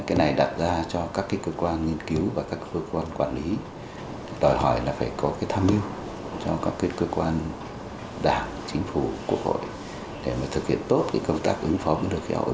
cái này đặt ra cho các cái cơ quan nghiên cứu và các cơ quan quản lý đòi hỏi là phải có cái tham dự cho các cái cơ quan đảng chính phủ cuộc hội để mà thực hiện tốt cái công tác ứng phóng biến đổi khí hậu